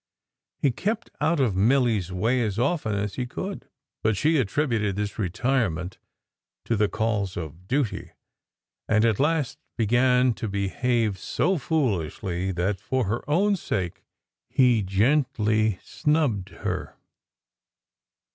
He kept out of Milly s way as often as he could, but she attributed this retirement to the calls of duty ; and at last began to behave so foolishly that for her own sake he gently snubbed her.